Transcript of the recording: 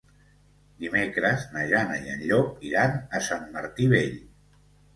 Dimecres na Jana i en Llop iran a Sant Martí Vell.